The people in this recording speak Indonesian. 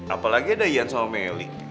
apalagi ada ian sama melly